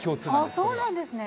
そうなんですね。